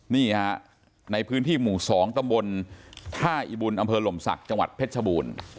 นี่ฮะในพื้นที่หมู่๒ตำบลท่าอิบุญอำเภอหล่มศักดิ์จังหวัดเพชรชบูรณ์